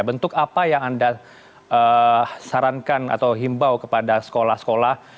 bentuk apa yang anda sarankan atau himbau kepada sekolah sekolah